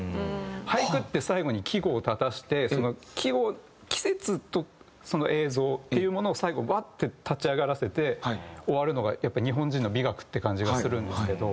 俳句って最後に季語を立たせてその季語季節とその映像っていうものを最後バッて立ち上がらせて終わるのがやっぱ日本人の美学って感じがするんですけど。